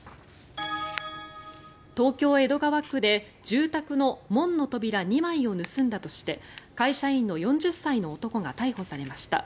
東京・江戸川区で住宅の門の扉２枚を盗んだとして会社員の４０歳の男が逮捕されました。